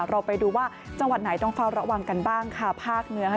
เราไปดูว่าจังหวัดไหนต้องเฝ้าระวังกันบ้างค่ะภาคเหนือค่ะ